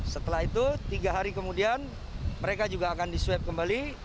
setelah itu tiga hari kemudian mereka juga akan diswab kembali